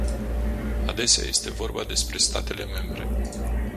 Adesea este vorba despre statele membre.